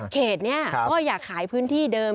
เขตนี้ก็อยากขายพื้นที่เดิม